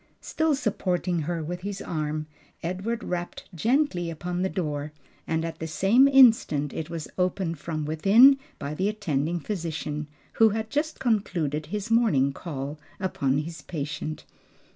Still supporting her with his arm, Edward rapped gently upon the door, and at the same instant it was opened from within by the attending physician, who had just concluded his morning call upon his patient.